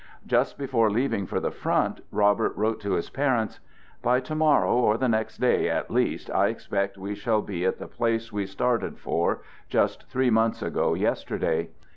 Just before leaving for the front, Robert wrote to his parents : "By to morrow or the next day, at least, I expect we shall be at the place we started for just three months ago yesterday.